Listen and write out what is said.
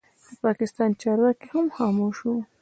د پاکستان چارواکي هم خاموشه وو.